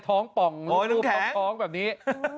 ท้องป่องแบบนี้